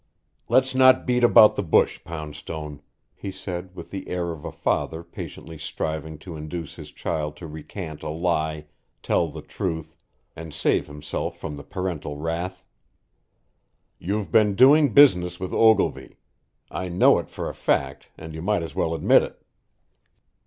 "Let's not beat about the bush, Poundstone," he said with the air of a father patiently striving to induce his child to recant a lie, tell the truth, and save himself from the parental wrath. "You've been doing business with Ogilvy; I know it for a fact, and you might as well admit it."